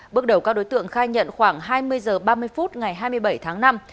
bước đầu các đối tượng khai nhận khoảng hai mươi h ba mươi phút ngày hai mươi bảy tháng năm